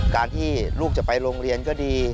การที่ลูกจะไปโรงเรียนก็ดี